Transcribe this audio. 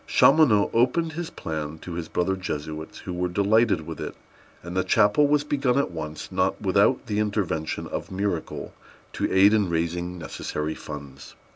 Chaumonot opened his plan to his brother Jesuits, who were delighted with it, and the chapel was begun at once, not without the intervention of miracle to aid in raising the necessary funds.